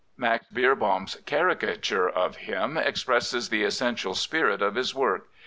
Max Beerbohm's caricature of him expresses the essential spirit of his work.